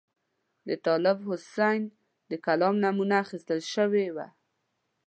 د طالب حسین د کلام نمونه اخیستل شوې وه.